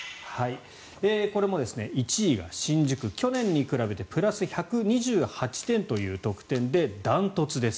これも１位が新宿去年に比べてプラス１２８点という得点で断トツです。